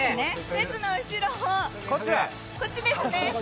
列の後ろ、こっちですね。